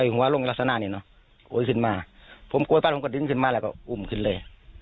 หัวลงลักษณะนี้เนอะโกยขึ้นมาผมโกยป้าผมก็ดึงขึ้นมาแล้วก็อุ้มขึ้นเลย